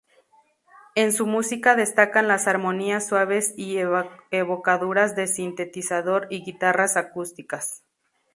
En su música destacan las armonías suaves y evocadoras de sintetizador y guitarras acústicas.